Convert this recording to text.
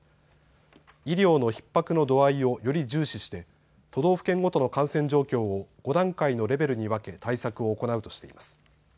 医療のひっ迫の度合いをより重視して都道府県ごとの感染状況を５段階のレベルに分け対策を行うとしています。